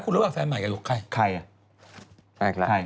คุณรู้ปากแฟนใหม่กับโยคใคร